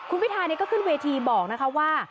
คุณพิทาริมเจริญรัฐก็ขึ้นเวทีบอกว่า